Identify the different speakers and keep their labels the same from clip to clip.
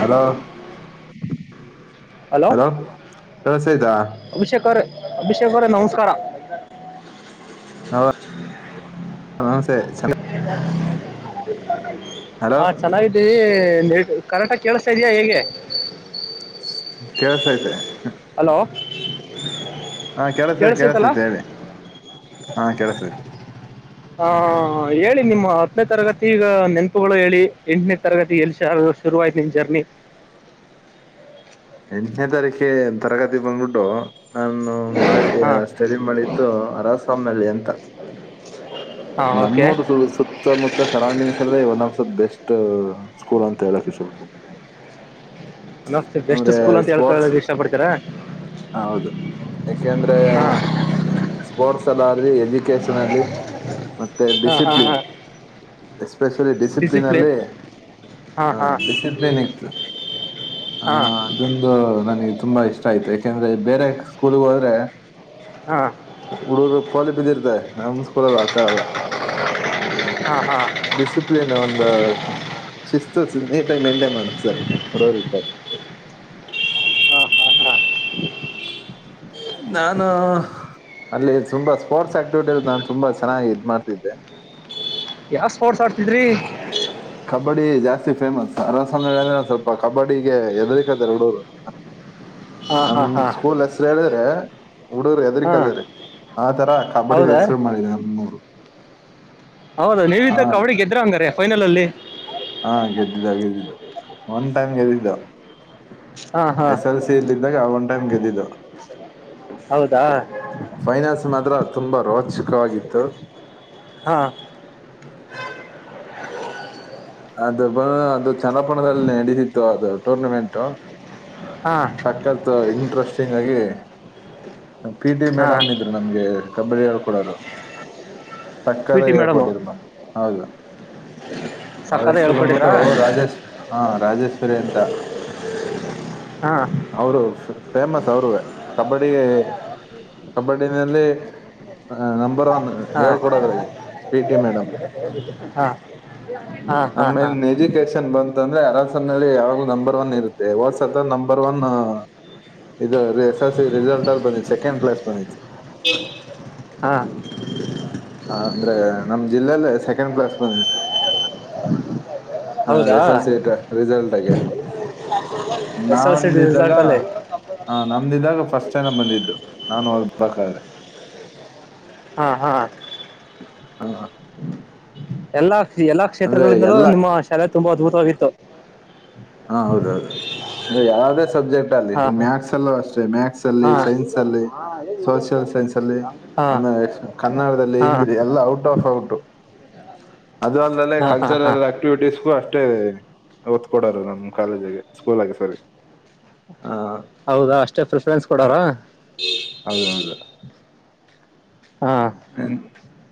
Speaker 1: Hello hello ಕೇಳ್ಳುಸೇತಾ
Speaker 2: ಅಭಿಷೇಕ್ ಅವ್ರೆ ಅಭಿಷೇಕ್ ಅವರ ನಮಸ್ಕಾರ
Speaker 1: ಹಾ ನಮಸ್ತೆ
Speaker 2: [inaudible]
Speaker 1: ಹಲೋ
Speaker 2: ಹಾ ಚೆನ್ನಾಗಿದ್ದೀವಿ ಕರಟ ಕೇಳ ತಿದ್ಯ ಹೇಗೆ
Speaker 1: ಕೆಲ್ಸ ಐ್ತೆ
Speaker 2: [inaudible]
Speaker 1: ಹಾ ಕೆಲಸ
Speaker 2: ಕೇಳಿಸ್ತೈತಲ್ಲ
Speaker 1: ಕೆಲಸೈತೆ ಹೇಳಿ ಹಾ ಕೆಲಸೈತೆ
Speaker 2: ಹಾ ಹೇಳಿ ನಿಮ್ಮ ಹತ್ತನೇ ತರಗತಿ ಈಗ ನೆ ಗಳು ಹೇಳಿ ಎಂಟನೇ ತರಗತಿ ಎಲ್ಸ ಶುರುವಾಯ್ತ ನಿಮ್ ಜರ್ನಿ
Speaker 1: ಎಂಟನೇ ತಾರೀಕೆ ತರಗತಿ ಬಂದ್ಬಿಟ್ಟು ನಾನು ಮಾಡಿ
Speaker 2: ಹಾಂ
Speaker 1: ಸ್ಟಡಿ ಮಾಡಿದ್ದು [unintelligible]
Speaker 2: ಹಾಂ
Speaker 1: [inaudible]
Speaker 2: ಓಕೆ
Speaker 1: ನಮ್ಮೂರು ಸುತ್ತಮುತ್ತ ಸರೌಂಡಿಂಗ್ಸ್ ಅಲ್ಲ one of the best school ಅಂತ ಹೇಳೋಕ್ಕೆ ಇಷ್ಟ ಪಡ್ತೀನಿ
Speaker 2: [inaudible] ಬೆಸ್ಟ್
Speaker 1: ಅಂದ್ರೆ
Speaker 2: ಸ್ಕೂಲ್ ಅಂತ
Speaker 1: ಸ್ಪೋರ್ಟ್ಸ್
Speaker 2: ಹೇಳ್ಕೊಳ್ಳೋಕೆ ಇಷ್ಟಪಡ್ತೀರಾ
Speaker 1: ಹ ಹೌದು ಯಾಕೆಂದ್ರೆ
Speaker 2: ಹಾಂ
Speaker 1: ಸ್ಪೋರ್ಟ್ಸ್ ಅಲಿ ಎಜುಕೇಶನ್ ಅಲ್ಲಿ ಮತ್ತೆ
Speaker 2: ಹಾಂ ಹಾಂ
Speaker 1: ಡಿಸಿಪ್ಲಿನ್
Speaker 2: ಹಾಂ
Speaker 1: ಎಸ್ಪೆಷಲಿ ಡಿಸಿಪ್ಲಿನ್ ಅಲ್ಲಿ
Speaker 2: ಹಾಂ
Speaker 1: ಹ
Speaker 2: ಹಾಂ
Speaker 1: ಡಿಸಿಪ್ಲಿನ್ ಇತ್ತು ಹ
Speaker 2: ಹಾಂ
Speaker 1: ಅದೊಂದು ನನಗೆ ತುಂಬಾ ಇಷ್ಟ ಆಯ್ತು ಯಾಕೆಂದ್ರೆ ಬೇರೆ ಸ್ಕೂಲ್ ಹೋದ್ರೆ
Speaker 2: ಹಾಂ
Speaker 1: ಹುಡುಗ್ರು ಪೋಲಿ [unintelligible] ನಮ ಸ್ಕೂಲಲ್ಲ ಆತ ಅಲ್ಲ
Speaker 2: ಹಾಂ ಹಾಂ ಹಾಂ
Speaker 1: ಡಿಸಿಪ್ಲಿನ್ ಒಂದು ಶಿಸ್ತು [unintelligible] ಮೆಂಟೇನ್ ಮಾಡೋದು ಸರಿ [unintelligible]
Speaker 2: ಹಾಂ ಹಾಂ
Speaker 1: ನಾನು ಅಲ್ಲಿ ತುಂಬಾ ಸ್ಪೋರ್ಟ್ಸ್ ಆಕ್ಟಿವಿಟಿ ನಾನು ತುಂಬಾ ಚೆನ್ನಾಗಿ ಇದ್ ಮಾಡ್ತಿದ್ದೆ
Speaker 2: ಯಾವ ಸ್ಪೋರ್ಟ್ಸ್ ಆಡ್ತಿದ್ರಿ
Speaker 1: ಕಬಡ್ಡಿ ಜಾಸ್ತಿ ಫೇಮಸ್ ಅರಸಡ ಅಂದ್ರೆ ಸ್ವಲ್ಪ ಕಬಡ್ಗೆ ಹೆದರಿಕತಾರೆ ಹುಡೂರು
Speaker 2: ಹಾಂ ಹಾಂ
Speaker 1: ನಮ
Speaker 2: ಹಾಂ
Speaker 1: ಸ್ಕೂಲ್ ಹೆಸರು ಹೇಳಿದ್ರೆ ಹುಡಗರು
Speaker 2: ಹಾಂ
Speaker 1: ಹೆದರಿಕ್ದಾರೆ ಆ ತರ ಕಬಡ್ಡಿಲಿ
Speaker 2: ಹೌದಾ
Speaker 1: ಹೆಸರು ಮಾಡಿದ ನೂರು
Speaker 2: ಹೌದ ನೀವಿದ್ದಾಗ ಕಬಡ್ಡಿ ಗೆದ್ರೆ ಹಂಗಾರೆ ಫೈನಲ್ ಅಲ್ಲಿ
Speaker 1: ಹಾ ಗೆದ್ದಿದ್ದ ಗೆದ್ದಿದ್ದ ಒನ್ ಟೈಮ್ ಗೆದ್ದಿದ್ದ
Speaker 2: ಹಾ ಹಾ
Speaker 1: ಎಸ್ ಎಲ್ ಸಿ ಇಲ್ಲಿದ್ದಾಗ ಅವಂ ಟೈಮ್ಗೆದಿದ್ದ
Speaker 2: ಹೌದಾ
Speaker 1: ಫೈನಲ್ಸ್ ಮಾತ್ರ ತುಂಬಾ ರೋಚಕವಾಗಿತ್ತು
Speaker 2: ಹಾ
Speaker 1: ಅದು ಅದು ಚನ್ನಪಣದಲ್ಲಿ ನಡೆತಿತ್ತು ಅದು ಟೂರ್ನಮೆಂಟು
Speaker 2: ಹಾ
Speaker 1: ಸಕತ್ ಇಂಟ್ರೆಸ್ಟಿಂಗ್ ಆಗಿ [inaudible] ಪಿ ಟಿ
Speaker 2: ಹಾ
Speaker 1: ಮೇಡಮ್ ಇದ್ರರು ನಮ್ಗೆ ಕಬ್ಬಡಿ ಹೇಳ್ ಕೊಡರು
Speaker 2: ಪಿ
Speaker 1: ಸಕ್ಕತ್
Speaker 2: ಟಿ
Speaker 1: ಆಗಿ
Speaker 2: ಮೇಡಮು
Speaker 1: ಹೇಳ್ಕೊಟ್ಟಿರ್ಮ ಹೌದು ಅವ್ರ್
Speaker 2: ಸಕ್ಕದ
Speaker 1: ಹೆಸರು
Speaker 2: ಹೇಳ್ಕೊಟ್ಟಿದ್ರಾ
Speaker 1: ಬಂದ್ಬಿಟ್ಟು ರಾಜೇಶ್ ಹಾ ರಾಜೇಶ್ ಶ್ವರಿ ಅಂತ
Speaker 2: ಹಾ
Speaker 1: ಅವರು ಶು ಫೇಮಸ್ ಅವರುವೆ ಕಬಡ್ಡಿ ಕಬಡ್ಡಿನಲ್ಲಿ ನಂಬರ್ ಒನ್
Speaker 2: ಹಾ
Speaker 1: ಹೇಳ್ಕೊಡೋದ್ರಾಗೆ ಪಿ ಟಿ ಮೇಡಮ್
Speaker 2: ಹಾ ಹಾ ಹಾ ಹಾ
Speaker 1: ಆಮೇಲೆ ನೆಜೂಕೆಶನ್ ಬನ್ ತ್ತಂದ್ರೆ ಅರಸರ್ ನಲ್ಲಿ ಯಾವಾಗಲೂ ನಂಬರ್ ಒನ್ ಇರುತ್ತೆ ಹೋದ್ಸತಿ ನಂಬರ್ ಒನ್ ಇದು ಎಸ್ ಎಸ್ ಸಿ ರಿಸಲ್ಟ್ ಅಲ್ಲಿ ಬಂದಿತ್ತು ಸೆಕೆಂಡ್ ಪ್ಲೇಸ್ ಬಂದಿತ್ತು.
Speaker 2: ಹಾ
Speaker 1: ಅಂದ್ರೆ ನಮ್ ಜಿಲ್ಲೆಲೇ ಸೆಕೆಂಡ್ ಪ್ಲೆಸ್ ಬಂದಿತ್ತು. ಹ
Speaker 2: ಹೌದಾ
Speaker 1: ಎಸ್ ಎಲ್ ಸಿ ದ ರಿಸಲ್ಟಾಗೆ
Speaker 2: ಎಸ್ ಎಲ್ ಸಿ
Speaker 1: ನಮ್ದಿದ್ದಾಗ
Speaker 2: ರಿಸಲ್ಟ್ ಅಲ್ಲಿ
Speaker 1: ಹ ನಮ್ದಿದ್ದಾಗ ಫಸ್ಟ್ ಚೆನ್ನಗ್ ಬಂದಿದ್ದು ನಾನು ಓದ್ ಬಕಾದ್ರೆ
Speaker 2: ಹಾ ಹಾ
Speaker 1: ಹಾ
Speaker 2: ಎಲ್ಲಾ ಎಲ್ಲಾ ಕ್ಷೇತ್ರಗಳಿಂದಲೂ ನಿಮ್ಮ ಶಾಲೆ ತುಂಬಾ ಅದ್ಭುತವಾಗಿತ್ತು.
Speaker 1: ಹಾ ಹೌದೌದು ಅಂದ್ರೆ ಯಾವ್ದೆ ಸಬ್ಜೆಕ್ಟ್ ಅಲ್ಲಿ
Speaker 2: ಹಾ ಹಾ
Speaker 1: ಮ್ಯಾತ್ಸ್ ಅಲ್ಲೂ ಅಷ್ಟೆ ಮ್ಯಾಕ್ಸ್ ಅಲ್ಲಿ
Speaker 2: ಹಾ
Speaker 1: ಸೈನ್ಸ್ ಅಲ್ಲಿ ಸೋಶಿಯಲ್ ಸೈನ್ಸ್ ಅಲ್ಲಿ
Speaker 2: ಹಾ
Speaker 1: ಆಮಲೇ ಕನ್ನಡದಲ್ಲಿ
Speaker 2: ಹಾ
Speaker 1: ಹಿಂದಿ ಎಲ್ಲ ಔಟ್ ಆಫ್ ಔಟ್ ಅದು ಅಲ್ದಲೆ
Speaker 2: ಹಾ ಹಾ ಹಾ
Speaker 1: ಕಲ್ಚರಲ್ ಆಕ್ಟಿವಿಟೀಸ್ಗೂ ಅಷ್ ಟ್ಟೇ ಒತ್ ಕೊಡೋರು ನನ್ ನಮ್ ಕಾಲೇಜಗೆ ಸ್ಕೂಲಾಗೆ ಸೋರಿ
Speaker 2: ಹೌದಾ ಅಷ್ಟೇ ಪ್ರಿಫರೆನ್ಸ್ ಕೊಡೋರ.
Speaker 1: ಹೌದೌದು [unintelligible]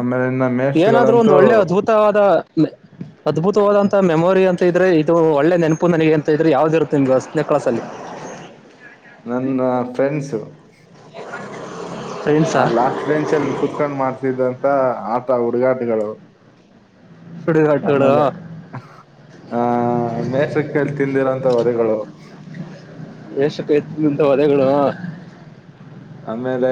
Speaker 1: ಆಮೇಲೆ ನನ್ನ
Speaker 2: ಏನಾದ್ರೂ ಒಂದು
Speaker 1: ಮೇಷ್ಟ್ರುಗಳಂತೂ
Speaker 2: ಒಳ್ಳೆ ಅದ್ಭುತವಾದ ಅದ್ಭುತವಾದಂತಹ ಮೆಮೊರಿ ಅಂತ ಇದ್ರೆ ಇದು ಒಳ್ಳೆ ನೆನಪ ಪ್ಪು ನನಗೆ ಎಂತ ಇದ್ರೆ ಯಾವ್ದದ ಇರುತ್ತೆ ನಿಮಗೆ ಹತ್ತನೇ ಕ್ಲಾಸಲ್ಲಿ
Speaker 1: ನನ್ನ ಫ್ರೆಂಡ್ಸು [inaudible]
Speaker 2: [inaudible] ಫ್ರೆಂಡ್ಸಾ
Speaker 1: ಹ ಲಾಸ್ಟ್ ಬೆಂಚ್ ಅಲ್ಲಿ ಕುೂತ್ಕೊಂಡ್ ಮಾಡ್ತಿದ್ದ ಮತ್ತ ಆಟ ಉಡುಗಾಟಗಳು
Speaker 2: ಸುಡುಗಾಟಗಳು
Speaker 1: ಆಮೇಲೆ ಆಹ ಮೇಷ್ಟ್ರಕ್ಕೆಲ್ಲಿ ತಿಂದಿರುವೋಂತ ವಧೆಗಳು
Speaker 2: ವೇಷಕ್ಕೆ ನಿಂತ ವಧೆಗಳು
Speaker 1: ಆಮೇಲೆ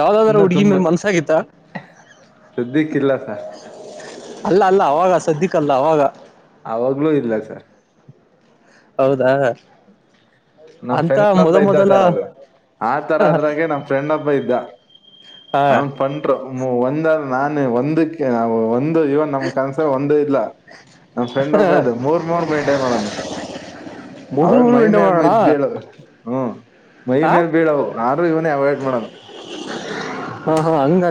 Speaker 2: ಯಾವ್ದದಾದ್ರು
Speaker 1: ಇನ್ನ
Speaker 2: ಹುಡ್ಗಿ
Speaker 1: ತುಂಬಾ
Speaker 2: ನೋಡಿ ಮನ್ಸ ಆಗಿತ್ತ
Speaker 1: ಸದ್ಯಕ್ಕಿಲ್ಲ ಸರ್
Speaker 2: ಅಲ್ಲ ಅಲ್ಲ ಅವಾಗ ಸದ್ಯಕ ಈಗ ಅಲ್ಲ ಅವಾಗ
Speaker 1: ಅವಾಗ್ಲೂ ಇಲ್ಲ ಸರ್
Speaker 2: ಹೌದಾ
Speaker 1: ನಮ್
Speaker 2: ಅಂತ
Speaker 1: ಫ್ರೆಂಡ್
Speaker 2: ಮೊದ
Speaker 1: ಒಬ್ಬ ಇದ್ದ
Speaker 2: ಮೊದಲ
Speaker 1: ಸರ್ ಅದು ಆ ತರ ಅದ್ರಾಗೆ ನಮ್ ಫ್ರೆಂಡ್ ಒಬ್ಬ ಇದ್ದ
Speaker 2: ಹ
Speaker 1: ಅವ ಪಂಟ್ರು ಒಂದ ನಾನ ಒಂದಕ್ಕೆ ಒಂದ ಇವನ್ ನಮ್ ಕನಸಲ್ಲಿ ಒಂದೇ ಇತ್ತು ಇಲ್ಲ ನಮ್ಮ ಫ್ರೆಂಡ್ ಒಬ್ಬ ಇದ್ದ ಮೂರ ಮೂರ ಮೇನ್ಟೇನ್ ಮಾಡನು ಅವರ
Speaker 2: ಮುಗುರು ಮುರು
Speaker 1: ಮೈ
Speaker 2: ಉಂಡೆ
Speaker 1: ಮೇಲೆ
Speaker 2: ಮಾಡೋಣ ಆ
Speaker 1: ಬಿದ್ದು ಹ್ಮ ಮೈ ಮೇಲೆ
Speaker 2: ಹಾ
Speaker 1: ಬೀಳವು ಆದ್ರು ಇವನೇ ಅವಾಯ್ಡ್ ಮಾಡಣ.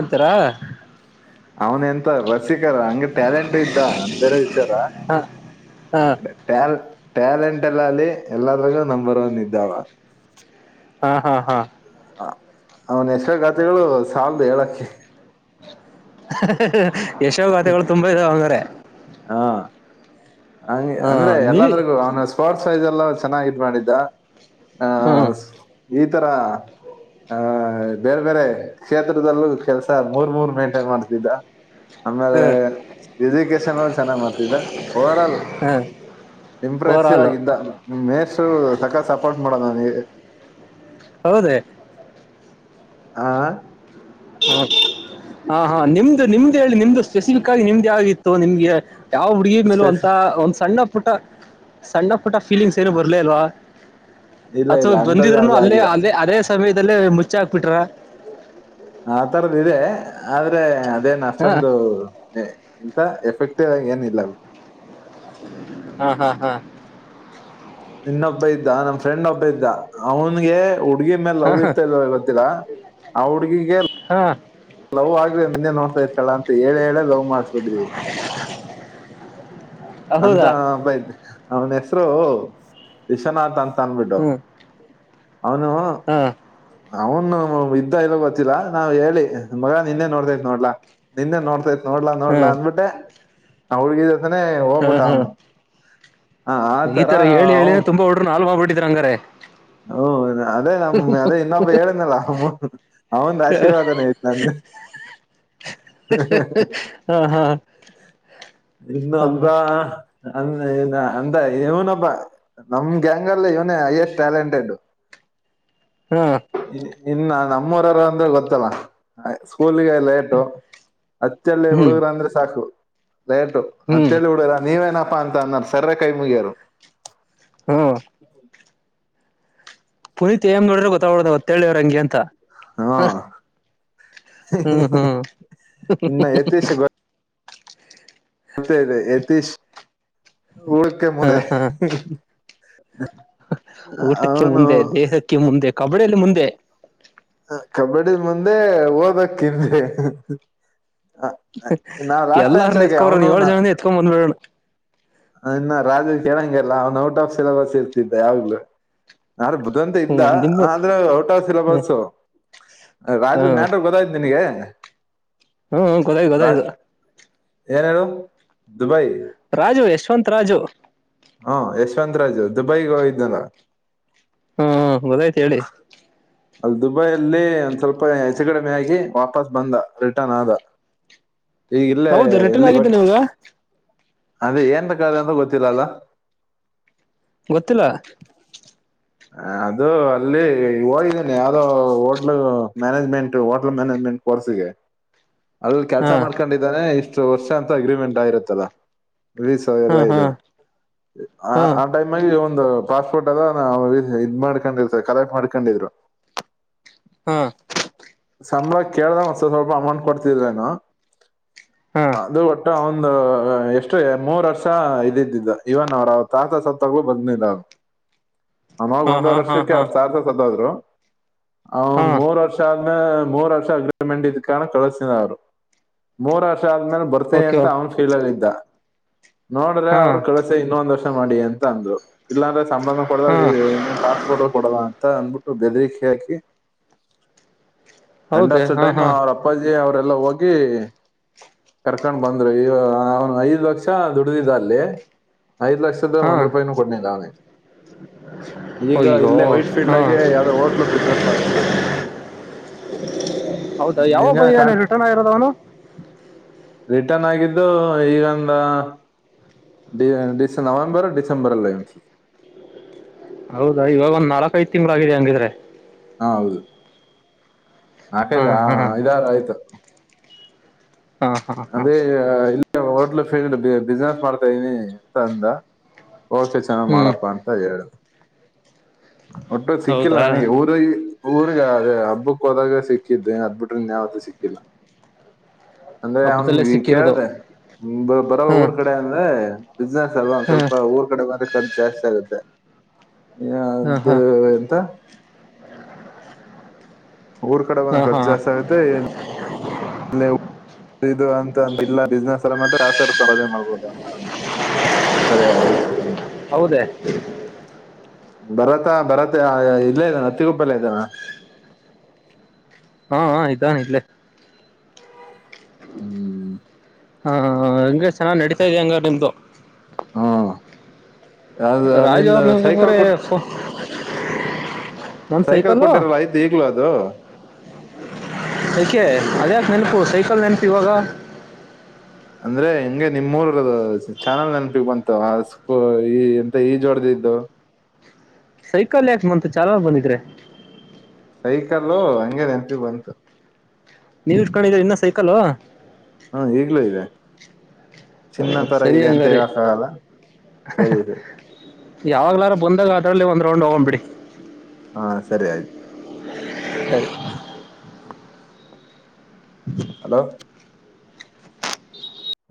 Speaker 2: ಸರ್
Speaker 1: ಅವನ್ ಎಂತ ರಸಿಕರ ಹಂಗ ಟ್ಯಾಲೆಂಟು ಇದ್ದ ಅದ ಬೇರೆ ವಿಚಾರ
Speaker 2: ಹ ಹಾ
Speaker 1: ಟ್ಯಾಲ್ ಟ್ಯಾಲೆಂಟ್ ಎಲ್ಲ ಅಲ್ಲಿ ಎಲ್ಲಾದ್ರಗೂ ನಂಬರ್ ಒನ್ ಇದ್ದಾ ಅವ
Speaker 2: ಹಾ ಹಾ ಹಾ
Speaker 1: ಅವನ್ ಎಷ್ಟರ ಯಶೋಗಾಥೆಗಳು ಸಾಲದು ಹೇಳಕ್ಕೆ
Speaker 2: [inaudible] ಯಶೋಗಾಥೆಳು ತುಂಬಾ ಇದಾವ ಓ ಮರೆ
Speaker 1: ಹ ಹಂಗೆ ಅಂದ್ರೆ ಎಲ್ಲಾದ್ರಗೂ ಅವನ ಸ್ಪೋರ್ಟ್ಸ್ [unintelligible] ಇದೆಲ್ಲ ಚೆನ್ನಾಗ ಇದ್ ಮಾಡಿದ್ದ ಹ
Speaker 2: ಹ್ಮ್
Speaker 1: ಹ ಈ ತರ ಆ ಬೇರೆ ಬೇರೆ ಕ್ಷೇತ್ರದಲ್ಲೂ ಕೆಲ್ಸ ಮೂರ ಮೂರ ಮೇಂಟೈನ್ ಮಾಡ್ತಿದ್ದ
Speaker 2: ಹ
Speaker 1: ಆಮೇಲೆ ಎಜುಕೇಶನ್ ಅಲ್ಲ ಚೆನ್ನಾಗ್ ಮಾಡ್ತಿದ್ದ ಓವರ್ ಆಲ್
Speaker 2: ಹ ಓವರ್
Speaker 1: ಇಂಪ್ರೆಸಿವ್
Speaker 2: ಆಲ್
Speaker 1: ಆಗಿದ್ದ ಮೇಸ್ಟ್ರು ಸಖತ್ ಸಪೋರ್ಟ್ ಮಾಡೋರು ಅವನಿಗೆ. [inaudible]
Speaker 2: ಹೌದೇ
Speaker 1: ಆ
Speaker 2: ಹ ಹ ಹಾ ನಿಮ್ದು ನಿಮ್ದ ಹೇಳಿ ನಿಮ್ದು ಸ್ಪೆಸಿಫಿಕ್ ಆಗಿ ನಿಮ್ದ ಯಾವಾಗ್ಗಿತ್ತು ನಿಮ್ಗೆ. ಯಾವ ಹುಡುಗಿ ಮೇಲೂ
Speaker 1: ಸ್ಪೆಸ್
Speaker 2: ಅಂತ ಒಂದ್ ಸಣ್ಣ ಪುಟ್ಟ ಸಣ್ಣ ಪುಟ್ಟ ಫೀಲಿಂಗ್ಸ್ ಏನು ಬರ್ಲೆ ಇಲ್ವಾ?
Speaker 1: ಇಲ್ಲ
Speaker 2: ಅಥವಾ
Speaker 1: ಇಲ್ಲ ಅಂತದ್
Speaker 2: ಬಂದಿದ್ರುನು
Speaker 1: ಯಾವ್ದು
Speaker 2: ಅಲ್ಲೇ
Speaker 1: ಆಗಿಲ್ಲ
Speaker 2: ಅಲ್ಲೇ ಅದೇಸ್ ಸಮಯದಲ್ಲೇ ಮುಚ್ ಹಾಕ್ಬಿಟ್ರ.
Speaker 1: ಆ ತರದ್ ಇದೆ ಆದ್ರೆ ಅ ಅದೇನ್
Speaker 2: ಹಾ
Speaker 1: ಅಷ್ಟೊಂದು ಇಂತ ಎಫೆಕ್ಟಿವ್ ಅಗೇನ್ ಇಲ್ಲ
Speaker 2: ಹಾ ಹಾ ಹಾ
Speaker 1: ಇನ್ನೊಬ್ಬ ಇದ್ದ ನಮ್ ಫ್ರೆಂಡ್ ಒಬ್ಬ ಇದ್ದ ಅವನ್ಗೆ ಹುಡ್ಗಿ ಮೇಲೆ ಲವ್ ಇತ್ತೊ
Speaker 2: ಹಾ
Speaker 1: ಇಲ್ಲೋ ಗೊತ್ತಿಲ್ಲ ಆ ಹುಡ್ಗಿಗೆ
Speaker 2: ಹಾ
Speaker 1: ಲವ್ ಆಗ್ದೆ ನಿನ್ನೆ ನೋಡ್ತಾ ಇರ್ತಾಳ? ಹೇಳೆ ಹೇಳೆ ಲವ್ ಮಾಡ್ಸ್ ಬಿಟ್ಟಿದೀವಿ ಅಂತ
Speaker 2: ಹೌದಾ
Speaker 1: ಬಯ್ ಅವನ್ ಹೆಸರು ವಿಶ್ವನಾಥ ತನ್ಬಿಟ್ಟು
Speaker 2: ಹ್ಮ್
Speaker 1: ಅವ್ನು
Speaker 2: ಹಾ
Speaker 1: ಅವನು ಇದ್ದ ಇಲ್ಲ ಗೊತ್ತಿಲ್ಲ ನಾವ್ ಹೇಳಿ ಮಗ ನಿನ್ನೆ ನೋಡ್ತೈತ್ ನೋಡ್ಲಾ ನಿನ್ನೆ ನೋಡ್ ತೈತ್ ನೋಡ್ಲಾ
Speaker 2: ಹಾ
Speaker 1: ನೋಡ್ಲ ಅಂದ್ಬಿಟ್ಟೆ ಅವ್ಳ್ಗೆ
Speaker 2: ಹಾ ಹಾ
Speaker 1: ಹ ಆತರ
Speaker 2: ಈತರ ಹೇಳಿ ಹೇಳಿನೆ ತುಂಬಾ ಹುಡ್ಗುರ್ನ್ ಹಾಳ್ಮಾಡ್ಬಿಟ್ಟಿ ದಿರಂಗರೆ
Speaker 1: ಹ ಓ ಅದೇ ನಮ ಅದೇ ಇನ್ನೊಬ್ಬ ಹೇಳದ್ನಲ್ಲ ಅವಂದ ಆಶೀರ್ವಾದನೇ ಐತ್ ನಂದ್
Speaker 2: ಹಿ ಹಿ ಹಿ ಹಾ ಹಾ
Speaker 1: ವಾ ಅ ಇ ಅಂದ ಇವನಬ್ಬ ನಮ್ ಗ್ಯಾಂಗ್ ಅಲ್ಲಿ ಇವ್ನೆ ಹೈಯೆಸ್ಟ್ ಟ್ಯಾಲೆಂಟೆಡ್.
Speaker 2: ಹ್ಮ
Speaker 1: ಇನ್ನ ನಮ್ಮೂರಾರ ಅಂದ್ರೆ ಗೊತ್ತಲ್ಲ ಸ್ಕೂಲಿಗೆ ಲೇಟು. ಅತ್ತಲ್ಲೇ
Speaker 2: ಹ್ಮ್
Speaker 1: ಹುಡುಗರುಂದ್ರೆ ಸಾಕು
Speaker 2: ಹ್ಮ್
Speaker 1: [unintelligible] ರ ನೀವೇನ ಪ್ಪ ಅಂತ ಅನ್ನ ಸರ್ರ ಕೈ ಮುಗಿಯಾರು
Speaker 2: ಹ್ಮ ಪುನೀತ್ ಏನ್ ನೋಡ್ರೆ ಗೊತ್ತಾಗವಲ್ದು ಒತ್ತ ಹೇಳಿವ್ ಹಂಗೆ ಅಂತ
Speaker 1: ಹಾ
Speaker 2: ಹ
Speaker 1: ಇ ಇ
Speaker 2: ಹ್ಮ್ ಹ್ಮ್
Speaker 1: [unintelligible] ಇನ್ನ ಯತೀಶ ಗೊತ್ ಮತ್ತೇ ಅದೇ ಯತೀಶ್ ಉಲ್ಕೆ
Speaker 2: ಹಾ
Speaker 1: ಮುಳೆ
Speaker 2: ಹಾ ಊಟಕ್ಕೆ ಮುಂದೆ ದೇಹಕ್ಕೆ ಮುಂದೆ ಕಬಡ್ಡಿಯಲ್ಲಿ ಮುಂದೆ
Speaker 1: ಕಬಡ್ಡಿಲಿ ಮುಂದೆ ಓದಕ್ಕಿಂದೆ
Speaker 2: ಎಲ್ಲಾರನ್ನ
Speaker 1: ಆಗಿ
Speaker 2: ಎತ್ಕೋ ಬರೋದು
Speaker 1: ಅವನು
Speaker 2: ಏಳು ಜನನು ಎತ್ಕೊಂಬಂದ್ಬಿಡೋಣ
Speaker 1: ಅವನ್ ಔಟ್ ಆಫ್ ಸಿಲೆಬಸ್ ಇರ್ತಿದ್ದ ಯಾವಾಗ್ಲು ನಾನು ಬುದಧಂತ ಇದ್ದ
Speaker 2: ಹ್ಮ್ ನಿಮ್
Speaker 1: ಅಂದ್ರೆ ಔಟ್ ಆಫ್
Speaker 2: ಹ್ಮ
Speaker 1: ಸಿಲಬಸ್ ರಾಜು
Speaker 2: ಹ್ಮ್
Speaker 1: ಮ್ಯಾಟ್ರು ಗೊತ್ತಾಯ್ತು ನಿನಗೆ [inaudible]
Speaker 2: ಹ್ಮ್ ಗೊತಾಯ್ತು ಗೊತಾಯ್ತು
Speaker 1: ರಾಜ್ ಏನ್ ಹೇಳು ದುಬೈ
Speaker 2: ರಾಜು ಯಶ್ವಂತ್ ರಾಜು
Speaker 1: ಹಾ ಯಶ್ ವಂತ್ ರಾಜು ದುಬೈಗೆ ಹೋಗಿದ್ದ್ನಲ್ಲ
Speaker 2: ಹ್ ಹ್ಮ್ ಗೊತ್ತಯ್ತ್ ಹೇಳಿ
Speaker 1: ಅಲ್ಲಿ ದುಬೈಯಲ್ಲಿ ಒಂದ್ ಸ್ವಲ್ಪ ಹೆಚ್ಚು ಕಡಿಮೆಯಾಗಿ ವಾಪಸ್ ಬಂದ ರಿಟರ್ನ್ ಆದ ಈಗ ಇಲ್ಲೇ
Speaker 2: ಹೌದು ರಿಟರ್ನ್
Speaker 1: ಇಲ್ಲಿ
Speaker 2: ಆಗಿದ್ದೇನೇ ಇವ
Speaker 1: ಅದೇ ಏನ್ ಬೇಕಾದ ಅನು ಗೊತ್ತಿಲ್ಲ ಅಲ್ಲ
Speaker 2: ಗೊತ್ತಿಲ್ಲ
Speaker 1: ಹ ಅದು ಅಲ್ಲಿ ಹೋಗಿದ್ದೇನೆಯಾವ್ದೋ ಹೋಟ್ಲು ಮ್ಯಾನೇಜ್ಮೆಂಟ್ ಹೋಟ್ಲು ಮ್ಯಾನೇಜ್ಮೆಂಟ್ ಕೋರ್ಸಿಗೆ ಅದು ಕೆಲ್ಸ
Speaker 2: ಹಾ
Speaker 1: ಮಾಡ್ಕೊಂಡಿದಾನೆ ಇಷ್ಟು ಎಷ್ಟು ವರ್ಷ ಅಂತ ಅಗ್ರಿಮೆಂಟ್ ಆಗಿರುತಲ್ಲ [inaudible]
Speaker 2: ಹಾ ಹಾ ಹಾ
Speaker 1: ಆಮೇಲೆ ಒಂದು ಕೊಟ್ಟದ್ದನವಿ ಇದ್ ಇಡ್ಡಡ್ಕಂದಿದ್ರು ಕಲೆಟ್ ಮಾಡ್ಕಂಡಿದ್ರು
Speaker 2: ಹಾ
Speaker 1: ಸಂಬಳ ಕೇಳ್ದಾಗ ಒಂದ್ ಸ್ವಲ್ ಸ್ವಲ್ಪ ಅಮೌಂಟ್ ಕೊಡ್ತಿದ್ರೆನು
Speaker 2: ಹಾ
Speaker 1: ಹ ಅದು ಒಟ್ಟ ಹ ಒಂದು ಎಷ್ಟು ಮೂರ್ ವರ್ಷ ಇದಿದ್ದಿದ್ದು ಇವಗ್ ನೋಡು ಅವ್ರ ತಾತ ಸತ್ತಗ್ಳೂ ಬಂದ್ನಿಲ್ಲ ಅವ್ನು ಅವಾಗ್
Speaker 2: ಹಾ ಹಾ
Speaker 1: ಒಂದುವರೆ
Speaker 2: ಹಾ
Speaker 1: ವರ್ಷಕ್ಕೆ
Speaker 2: ಹಾ
Speaker 1: ಅವ್ರ ತಾತ ಸತ್ತೋದ್ರು ಅನಿಂಟೆಲಿಜಬಲ್ [inaudible]
Speaker 2: ಹಾ
Speaker 1: ಅವುನ್ ಮೂರ್ ವರ್ಷ ಆದ್ [unintelligible] ಹ್ ಮೂರ್ ವರ್ಷ ಅಗ್ರಿಮೆಂಟ್ ಇದ್ ಕಾರಣ ಕಳಸಲಿಲ್ಲ ಅವ್ರು. ಮೂರು ವರ್ಸ್ [unintelligible] ವರ್ಷ ಆದ್ಮೇಲೆ ಬರ್ತೀನಿ
Speaker 2: ಓಕೆ
Speaker 1: ಅಂತ
Speaker 2: ಓಕೆ
Speaker 1: ಅವ್ನ್ ಫೀಲಲಿದ್ದ. ನೋಡದ್ರೆ
Speaker 2: ಹಾ
Speaker 1: ಅವ್ರು ಕಳಸೆ ಇನ್ನೊಂದ್ ಅಷ್ಟ್ ಕೆ [unintelligible] ಮಾಡಿ ಅಂತ ಅಂದ್ರು. ಇಲ್ಲಾಂದ್ರೆ ಸಂಬಳನು ಕೊಡಲ,
Speaker 2: ಹಾ
Speaker 1: ಇ ಪಾಸ್ಪೋರ್ಟು ಕೊಡಲ ಅಂತ್ [unintelligible] ತ್ತಾ ಅಂದಬಿಟ್ಟು ಬೆದರಿಕೆ ಹಾಕಿ, ರಂಡ
Speaker 2: ಹೌದೇ
Speaker 1: ವರ್ಷದ್
Speaker 2: ಹಾ
Speaker 1: ಟೈಮ,
Speaker 2: ಹಾ
Speaker 1: ಅವ್ರ ಅಪ್ಪಾಜಿ ಅವ್ರ [unintelligible] ಎಲ್ಲ ಹೋಗಿ, ಕರ್ಕೊಂಡ್ ಬಂದ್ರು ಈ ಅವನು ಐದ್ ಲಕ್ಷ ದುಡ್ಡಿದ್ದ ಅಲ್ಲಿ ಐದ ಲಕ್ಷದಾಗ
Speaker 2: ಹಾ
Speaker 1: ಒಂದ್ ರೂಪಾಯೂ ಕೊಡ್ನಿಲ್ಲ ಅವೇ [unintelligible] ಈಗ
Speaker 2: ಅಯ್ಯೋ
Speaker 1: ಇಲ್ಲೇ ವೈಟ್ ಫೀಲ್ಡ್
Speaker 2: ಹಾ
Speaker 1: ಆಗೆ ಯಾವ್ದೋ ಹೋಟ್ಲು ಬಿಸ್ನೆಸ್ ಮಾಡ್ಕೊಂಡಿದ್ದಾನೆ.
Speaker 2: ಹೌದಾ? ಯಾವ
Speaker 1: ನಿನ್ಗೆ
Speaker 2: ಬೈನ
Speaker 1: ಕಾಣ್
Speaker 2: [unintelligible] ರಿಟರ್ನ್ ಆಗಿರೋದ ಅವನು?
Speaker 1: ಚೆನ್ನಾಗಿದ್ದು ಈಗಂದ ಡಿ ಡಿಸ್ ನವೆಂಬರ್ ಡಿಸೆಂಬರಲೋ ಇವನ್ [unintelligible]
Speaker 2: ಹೌದಾ, ಇವಾಗ ಒಂದ್ ನಾಲಕ್ ಐದು ತಿಂಗಳ್ ಆಗಿದೆ ಹಂಗಿದ್ರೆ?
Speaker 1: ಹ ಹೌದು.
Speaker 2: ಹಾ
Speaker 1: ಹಾಕೆದ ಹ
Speaker 2: ಹಾ ಹಾ
Speaker 1: ಐದಾರ ಆಯ್ತು.
Speaker 2: ಹಾ ಹಾ ಹಾಂ
Speaker 1: ಹೋಟ್ಲ್ ಫ [unintelligible] ಬಿಸ್ನೆಸ್ ಮಾಡ್ತಾ ಇದೀನಿ ಅಂತ ಅಂದ. ಓಕೆ, ಚೆನ್ನಾಗ್
Speaker 2: ಹ್ಮ್
Speaker 1: ಮಾಡಪ್ಪಾ ಅಂತ ಹೇಳುದು. ಒಬ್ಬರದ್ ಸಿಕ್ಕಿಲ್ಲ
Speaker 2: ಹೌದಾ
Speaker 1: ನನಗೆ, ಊರ [unintelligible] ಊರ್ಗಾ ಅದೇ ಹಬ್ಬಕ್ ಹೋದಾಗ ಸಿಕ್ಕಿದ್ದೆ, ಅದ್ಬಿಟ್ರ ಇನ್ ಯಾವತ್ತೂ ಸಿಕ್ಕಿಲ್ಲ. ಅಂದ್ರೆ ಅವನ್
Speaker 2: ಹಬ್ಬದಲ್ಲೇ ಸಿಕ್ಕಿರೋದು
Speaker 1: ಕೇಳ್ದೆ, ಬ ಬರಲ್ಲ
Speaker 2: ಹಾ
Speaker 1: ಊರ್ ಕಡೆ ಅಂದ್ರೆ ಬಿಸ್ನೆಸ್ ಅಲ್ಲ, ಒಂದ
Speaker 2: ಹಾ
Speaker 1: ಸ್ವಲ್ಪ ಊರ್ ಕಡೆ ಬಂದ್ರೆ ಖರ್ಚ್ ಜಾಸ್ತಿ ಆಗುತ್ತೆ. ಯ [unintelligible]
Speaker 2: ಹಾ
Speaker 1: ಇದು
Speaker 2: ಹಾ
Speaker 1: ಎಂತ? ಊರ್ ಕಡೆ
Speaker 2: ಹಾ
Speaker 1: ಬಂದ್ರೆ
Speaker 2: ಹಾ
Speaker 1: ಖರ್ಚು ಜಾಸ್ತಿ ಆಗುತ್ತೆ, ಇ [unintelligible] ಅವು [unintelligible] ಇದು ಅಂತಂದಿಲ್ಲ ಬಿಸ್ನೆಸ್ ಸರೆ ಮಾಡದ್ರೆ [unintelligible] ಮಾಡ್ಬೋದು. ಸದ ಆ [unintelligible]
Speaker 2: ಹೌದೆ ಹ
Speaker 1: ಬರತ್ತಾ ಬರತ್ತ ಇಲ್ಲ ಇದಾನ ಹತ್ತಿಗುಪ್ಪೆಲಿ ಇದಾನ
Speaker 2: ಹಾ ಇದುನ್ ಇಟ್ಲೆ
Speaker 1: ಹ್ಮ್
Speaker 2: ಹಾ ಹಾ ಹಾಂಗೆ ಚೆನ್ನಾಗಿ ನಡೀತಾಯೆಯ ಹಂಗ ನಿಮ್ಮದು
Speaker 1: ಹಾ
Speaker 2: ರಾಜ್ ಅವ್ರಸ್ಪ್ರ [inaudible]
Speaker 1: ಸೈಕಲ್ ಕೊಟ್ಟಿರಲ್ಲ ಆಯ್ತ್ ಹಗ್ಲ ಅದು ಅದು [unintelligible]
Speaker 2: ಏಕೆ ಅದಾಕೆ ನೆನಪು ಸೈಕಲ್ ನೆನಪು ಇವಾಗ
Speaker 1: ಅಂದ್ರೆ ಹೆಂಗೆ ನಿಮ್ಮುರ ಚಾನಲ್ ನೆನಪಿಗೆ ಬಂತು ಅ ಸ್ಕು ಈ ಎಂತ ಈ ಜೋಡ್ದಿ ಇದ್ದು [unintelligible]
Speaker 2: ಸೈಕಲ್ ಯಾಕ ಮಂತ ಚಲ ಬಂದಿದ್ರೆ
Speaker 1: ಸೈಕಲ್ಲ ಹಂಗೆ ನೆನಪಿಗ್ ಬಂತು
Speaker 2: ನೀ ಇಷ್ಟಕೊಂಡಿದೀರಇನ್ನ ಸೈಕಲ್
Speaker 1: ಹಾ ಈಗ್ಲಾ ಇದೆ
Speaker 2: ಹ
Speaker 1: ಚಿನ್ನ ತರ
Speaker 2: ಸರಿ
Speaker 1: ಇದೆ ಅಂತ
Speaker 2: ಹಂಗಾರೀ
Speaker 1: ಹೇಳಕ್ ಆಗಲ್ಲ ಸರಿ ಸರಿ
Speaker 2: ಯಾವಾಗ್ಲಾರು ಬಂದಾಗ ಅದ್ರಲ್ಲಿ ಒ [unintelligible] ತೊಂಡ ಒಂಬಿಡಿ [unintelligible]
Speaker 1: ಹಾ ಸರಿ ಆಯ್ತು
Speaker 2: ಹ [inaudible]
Speaker 1: ಹಲೋ